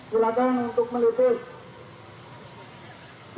silakan untuk meliput